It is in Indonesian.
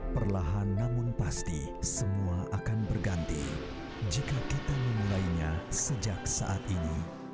perlahan namun pasti semua akan berganti jika kita memulainya sejak saat ini